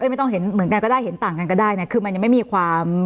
ไม่ต้องเห็นเหมือนกันก็ได้เห็นต่างกันก็ได้เนี่ยคือมันยังไม่มีความ